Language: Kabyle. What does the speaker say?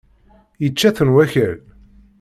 Yečča-ten wakal.